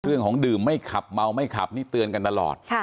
เรื่องของดื่มไม่ขับเมาไม่ขับนี่เตือนกันตลอด